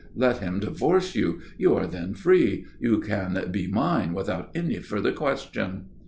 _ Let him divorce you. You are then free. You can be mine without any further question."